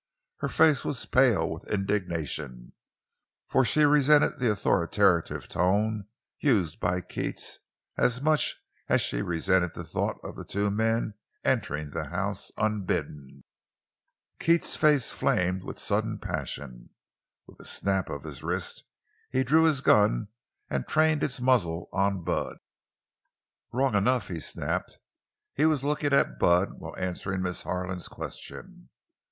Her face was pale with indignation, for she resented the authoritative tone used by Keats as much as she resented the thought of the two men entering the house unbidden. Keats's face flamed with sudden passion. With a snap of his wrist he drew his gun and trained its muzzle on Bud. "Wrong enough!" he snapped. He was looking at Bud while answering Miss Harlan's question.